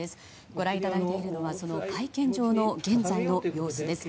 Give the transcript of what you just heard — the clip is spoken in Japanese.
ご覧いただいているのは会見場の現在の様子です。